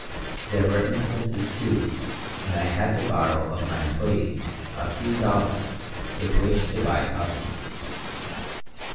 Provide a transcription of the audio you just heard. There were instances, too, when I had to borrow of my employees a few dollars with which to buy cotton.